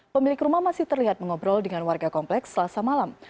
pemilik rumah masih terlihat mengobrol dengan warga kompleks selasa malam